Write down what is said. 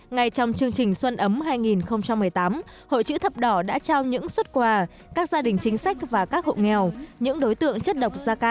ngay trong chương trình xuân ấm hai nghìn một mươi tám hội trực thập đỏ đã trao những xuất quà các gia đình chính sách và các hộ nghèo